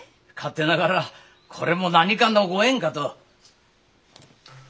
勝手ながらこれも何かのご縁かと。